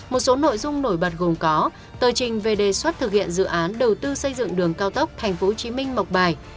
một số nội dung nổi bật gồm có tờ trình về đề xuất thực hiện dự án đầu tư xây dựng đường cao tốc tp hcm mộc bài